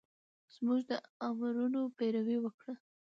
زمونږ د امرونو پېروي وکړه